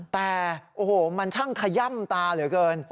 แต่มันช่างคย่ำตาเหลือเกิน